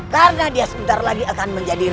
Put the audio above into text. karena dia sebentar lagi akan menjadi